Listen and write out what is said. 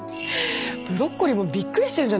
ブロッコリーもびっくりしてるんじゃない。